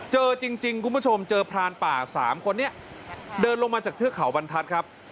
เจอจริงคุณผู้ชมเจอพรานป่า๓คนนี้เดินลงมาจากเทือกเขาบรรทัศน์ครับ